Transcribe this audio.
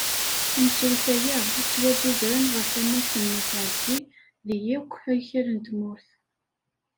Imsulta-a, ad ttwasuzren ɣef wammasen n usɛeddi deg yakk akal n tmurt.